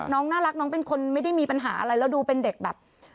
น้องน่ารักน้องเป็นคนไม่ได้มีปัญหาอะไรแล้วดูเป็นเด็กแบบ